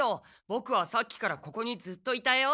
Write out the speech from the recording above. ボクはさっきからここにずっといたよ。